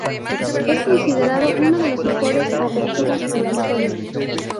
Es considerado uno de los mejores "aperturas" de la historia.